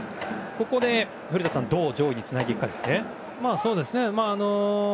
古田さん、どう上位につないでいくかですね。